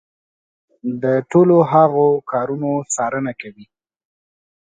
د ټولو هغو کارونو څارنه کوي.